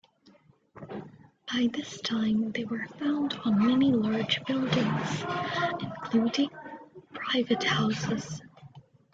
By this time they were found on many large buildings, including private houses.